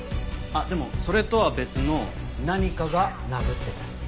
あっでもそれとは別の何かが殴ってたよ。